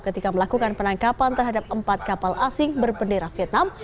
ketika melakukan penangkapan terhadap empat kapal asing berbendera vietnam